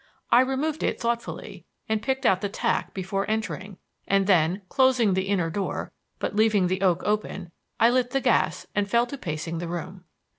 I removed it thoughtfully and picked out the tack before entering, and then, closing the inner door, but leaving the oak open, I lit the gas and fell to pacing the room.